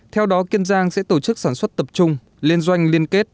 theo đó kiên giang sẽ tổ chức sản xuất tập trung liên doanh liên kết